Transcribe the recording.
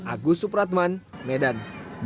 agus supratman medan